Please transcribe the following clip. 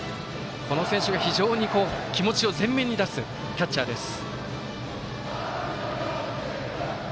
この選手が非常に気持ちを全面に出すキャッチャーです。